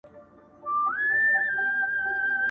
لكه ژړا.